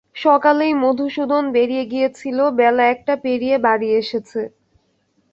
সকালেই মধুসূদন বেরিয়ে গিয়েছিল, বেলা একটা পেরিয়ে বাড়ি এসেছে।